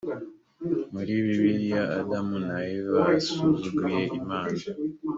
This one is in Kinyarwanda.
muri bibiliya adamu na eva asuzuguye imana